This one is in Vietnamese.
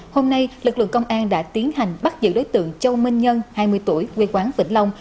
hôm nay lực lượng công an đã tiến hành bắt giữ đối tượng châu minh nhân hai mươi tuổi quê quán vĩnh long